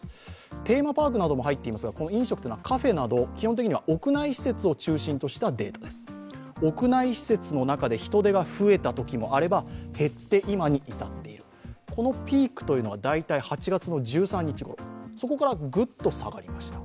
テーマパークなども入っていますが、こちらはカフェなど基本的に屋内施設の中で人出が増えたときもあれば減って今に至っている、このピークというのが大体８月１３日ごろ、ここからぐっと下がりました。